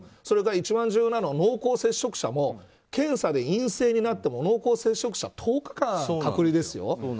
それから一番重要なのは濃厚接触者も検査で陰性になっても濃厚接触者は１０日間、隔離ですよ。